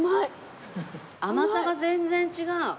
甘さが全然違う！